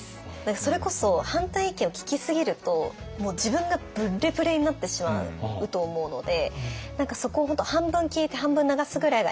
それこそ反対意見を聞きすぎるともう自分がブレブレになってしまうと思うので何かそこを本当半分聞いて半分流すぐらいがいいのか。